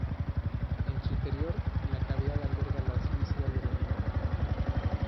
En su interior, la cavidad alberga las vísceras del animal.